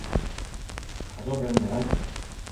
Eg så filmen i helgen.